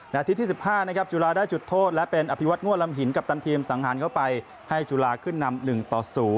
อาทิตย์ที่๑๕นะครับจุฬาได้จุดโทษและเป็นอภิวัตงั่วลำหินกัปตันทีมสังหารเข้าไปให้จุฬาขึ้นนำ๑ต่อ๐